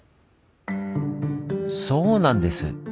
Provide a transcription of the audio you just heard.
そうなんです。